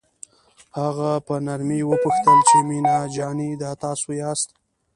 هغه په نرمۍ وپوښتل چې مينه جانې دا تاسو یاست.